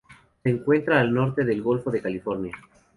Se encuentra al norte del Golfo de California.